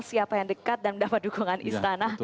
siapa yang dekat dan mendapat dukungan istana